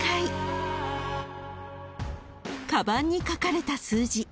［かばんに書かれた数字